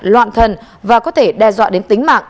loạn thần và có thể đe dọa đến tính mạng